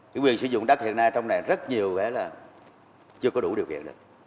cái quyền sử dụng đất hiện nay trong này rất nhiều phải là chưa có đủ điều kiện được